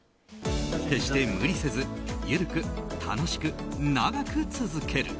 決して無理せず、緩く、楽しく長く続ける。